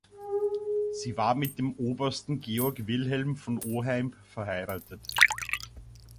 Sie war mit dem Obersten Georg Wilhelm von Oheimb verheiratet.